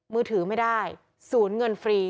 มือถือไม่ได้สูญเงินฟรี